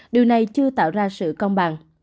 điều này chưa tạo ra sự công bằng